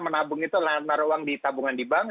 menabung itu naruh uang di tabungan di bank